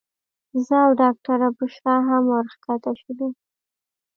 زه او ډاکټره بشرا هم ورښکته شولو.